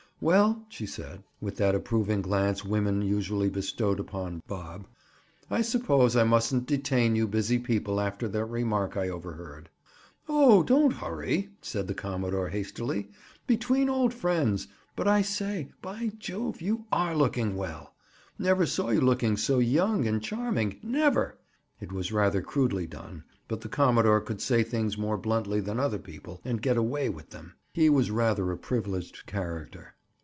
"Well," she said, with that approving glance women usually bestowed upon Bob, "I suppose I mustn't detain you busy people after that remark I overheard." "Oh, don't hurry," said the commodore hastily. "Between old friends— But I say— By jove, you are looking well. Never saw you looking so young and charming. Never!" It was rather crudely done, but the commodore could say things more bluntly than other people and "get away with them." He was rather a privileged character.